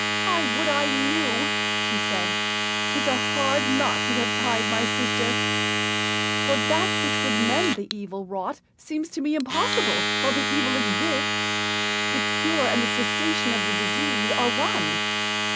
"I would I knew!" she said. "'Tis a hard knot you have tied, my sister. For that which would mend the evil wrought seems to me impossible while the evil exists the cure and the cessation of the disease are one.